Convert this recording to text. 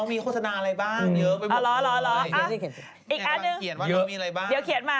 อีกอันหนึ่งเดี๋ยวเขียนมา